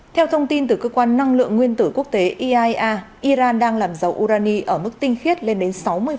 theo thông tin từ cơ quan năng lượng nguyên tử quốc tế iaea iran đang làm dầu urani ở mức tinh khiết lên đến sáu mươi